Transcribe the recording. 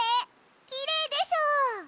きれいでしょ？